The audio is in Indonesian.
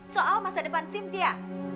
soal masa depan cynthia